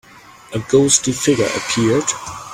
A ghostly figure appeared.